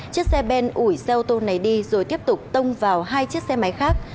chiếc xe ben ủi xe ô tô này đi rồi tiếp tục tông vào hai chiếc xe máy khác